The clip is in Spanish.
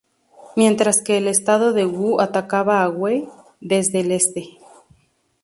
Mientras que el estado de Wu atacaba a Wei desde el este.